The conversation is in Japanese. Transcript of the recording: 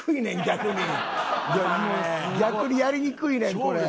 逆にやりにくいねんこれ。